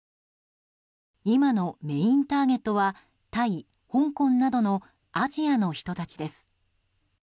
今のメインターゲットはタイ、香港などのアジアの人たちです。